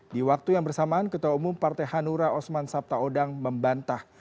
di waktu yang bersamaan ketua umum partai hanura osman sabtaodang membantah